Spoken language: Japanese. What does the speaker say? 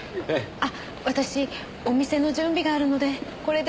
あっ私お店の準備があるのでこれで。